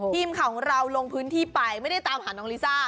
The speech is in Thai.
ทีมข่าวของเราลงพื้นที่ไปไม่ได้ตามหาน้องลิซ่า